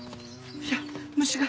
いや虫が。